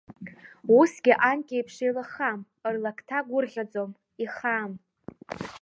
Усгьы, анкьеиԥш, еилыххам, рлакҭа гәырӷьаӡом, ихаам.